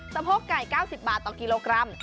โพกไก่๙๐บาทต่อกิโลกรัม